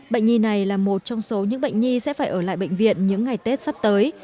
bệnh nhi này là một trong số những bệnh nhi sẽ phải ở lại bệnh viện những ngày tết sắp tới